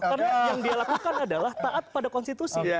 karena yang dia lakukan adalah taat pada konstitusi